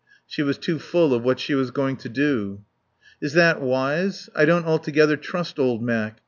She was too full of what she was going to do. "Is that wise? I don't altogether trust old Mac.